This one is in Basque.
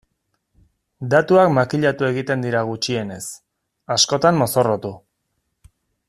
Datuak makillatu egiten dira gutxienez, askotan mozorrotu.